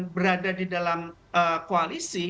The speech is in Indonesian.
berada di dalam koalisi